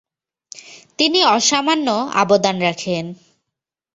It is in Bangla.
তিনি অসামান্য আবদান রাখেন।